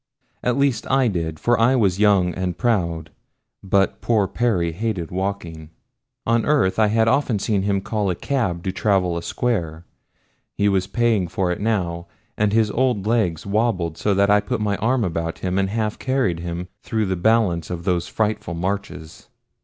At least I did, for I was young and proud; but poor Perry hated walking. On earth I had often seen him call a cab to travel a square he was paying for it now, and his old legs wobbled so that I put my arm about him and half carried him through the balance of those frightful marches.